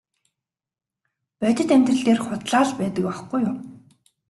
Бодит амьдрал дээр худлаа л байдаг байхгүй юу.